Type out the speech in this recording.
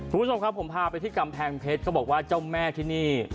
คุณผู้ชมครับผมพาไปที่กำแพงเพชรเขาบอกว่าเจ้าแม่ที่นี่